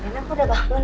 karena aku udah bangun